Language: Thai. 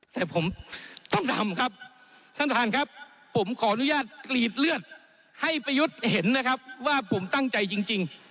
แต่ผมต้องทำครับท่านประธานครับผมขออนุญาตกรีดเลือดให้ประยุทธ์เห็นนะครับว่าผมตั้งใจจริง